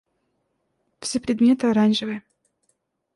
Все предметы оранжевые.